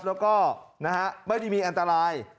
แล้วก็ไม่ได้มีอันตราย